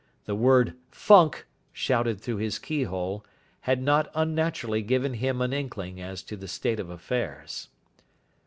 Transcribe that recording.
The word "Funk!" shouted through his keyhole, had not unnaturally given him an inkling as to the state of affairs.